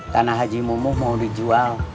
tanah haji mumuh mau dijual